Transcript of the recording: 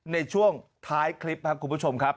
ในช่วงท้ายคลิปครับคุณผู้ชมครับ